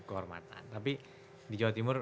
kehormatan tapi di jawa timur